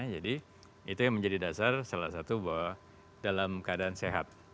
jadi itu yang menjadi dasar salah satu bahwa dalam keadaan sehat